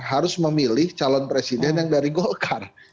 harus memilih calon presiden yang dari golkar